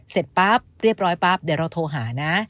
เสร็จปั๊บเรียบร้อยปั๊บเดี๋ยวเราโทรหานะ